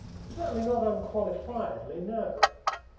Certainly not unqualifiedly no.